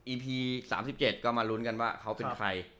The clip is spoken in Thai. พี๓๗ก็มาลุ้นกันว่าเขาเป็นใคร